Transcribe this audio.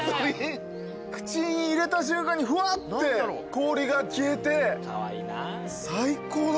口に入れた瞬間にふわって氷が消えて最高だ。